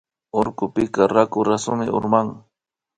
Urkupika raku rasumi urman